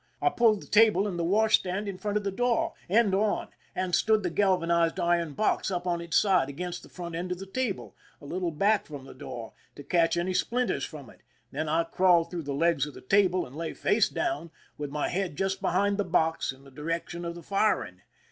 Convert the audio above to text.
I pulled the table and the wash stand in front of the door, end on, and stood the galvanized iron box up on its side against the front end of the table, a little back from the door, tO' catch any splinters from it; then I crawled through the legs of the table, and lay face down, with my head just behind the box in the direction of the firing.